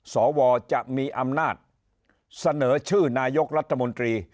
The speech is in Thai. สวจะมีอำนาจเสนอชื่อนายกรัฐมนตรี